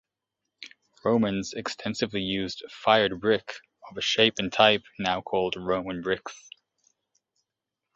Romans extensively used fired brick of a shape and type now called Roman bricks.